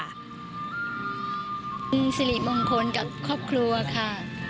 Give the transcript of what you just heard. สิริมงคลกับครอบครัวค่ะ